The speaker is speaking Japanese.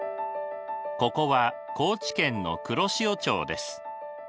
ここは高知県の黒潮町です。